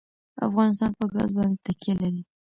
افغانستان په ګاز باندې تکیه لري.